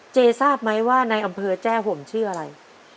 ทราบไหมว่าในอำเภอแจ้ห่มชื่ออะไร